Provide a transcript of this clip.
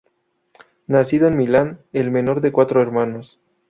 Nacido en Milán, el menor de cuatro hermanos.